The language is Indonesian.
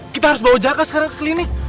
kita harus bawa jaka sekarang ke klinik